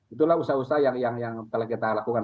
itulah usaha usaha yang telah kita lakukan